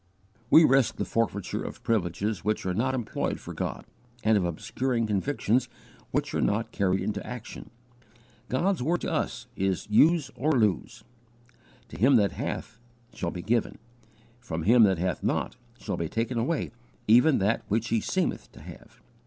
We risk the forfeiture of privileges which are not employed for God, and of obscuring convictions which are not carried into action. God's word to us is "use or lose." "To him that hath shall be given: from him that hath not shall be taken away even that which he seemeth to have."